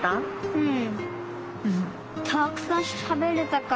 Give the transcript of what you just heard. うん。